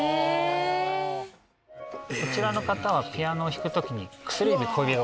こちらの方はピアノを弾く時に。